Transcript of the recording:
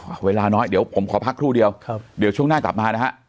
เวลาน้อยเดี๋ยวผมขอพักครู่เดียวครับเดี๋ยวช่วงหน้ากลับมานะฮะ